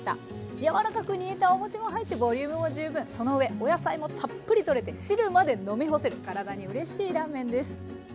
柔らかく煮えたお餅も入ってボリュームも十分そのうえお野菜もたっぷりとれて汁まで飲み干せる体にうれしいラーメンです。